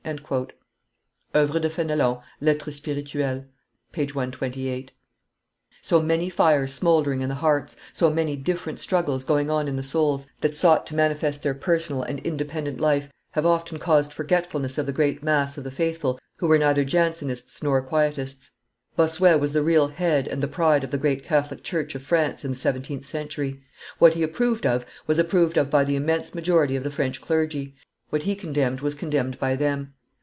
[Euvres de Fenelon, Lettres Spirituelles, xxv. 128.] [Illustration: Bossuet 591] So many fires smouldering in the hearts, so many different struggles going on in the souls, that sought to manifest their personal and independent life have often caused forgetfulness of the great mass of the faithful who were neither Jansenists nor Quietists. Bossuet was the real head and the pride of the great Catholic church of France in the seventeenth century; what he approved of was approved of by the immense majority of the French clergy, what he condemned was condemned by them.